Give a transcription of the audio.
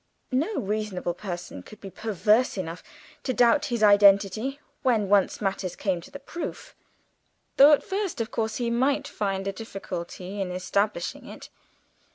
No reasonable person could be perverse enough to doubt his identity when once matters came to the proof; though at first, of course, he might find a difficulty in establishing it.